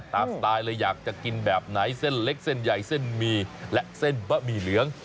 สไตล์เลยอยากจะกินแบบไหนเส้นเล็กเส้นใหญ่เส้นหมี่และเส้นบะหมี่เหลือง